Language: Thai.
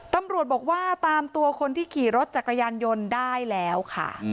ตำรวจบอกว่าตามตัวคนที่ขี่รถจักรยานยนต์ได้แล้วค่ะ